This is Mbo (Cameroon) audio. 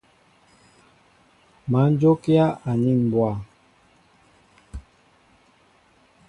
Má njókíá anin mbwa.